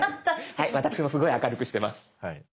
はい私もすごい明るくしてます。